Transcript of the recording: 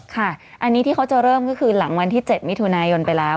ค่ะอันนี้ที่เขาจะเริ่มก็คือหลังวันที่๗มิถุนายนไปแล้ว